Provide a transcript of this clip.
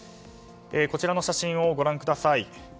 こちらの写真をご覧ください。